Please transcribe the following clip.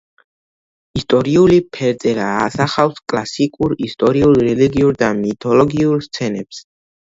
ისტორიული ფერწერა ასახავს კლასიკურ ისტორიულ, რელიგიურ და მითოლოგიურ სცენებს.